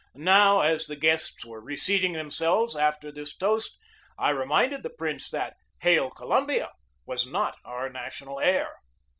Now, as the guests were reseating themselves after this toast, I reminded the prince that "Hail, Columbia," was not our national air.